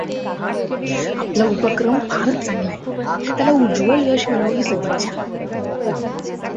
आपला उपक्रम फारच चांगला आहे, त्याला उज्ज्वल यश मिळो ही सदिच्छा.